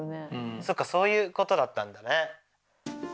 そっかそういうことだったんだね。